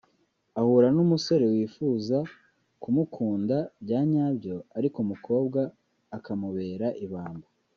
ahura n’umusore wifuza kumukunda bya nyabyo ariko umukobwa akammubera ibamba